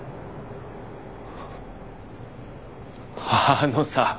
あのさ